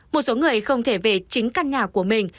một số người không thể về chính căn nhà của mình